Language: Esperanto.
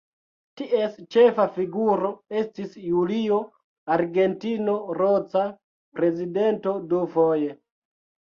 Ties ĉefa figuro estis Julio Argentino Roca, prezidento dufoje.